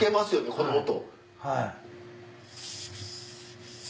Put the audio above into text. この音。